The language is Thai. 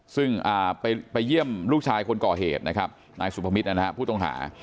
ซึ่งไปเยี่ยมลูกชายคนก่อเหตุนะครับนายสุพมิตรนะฮะผู้ต้องหา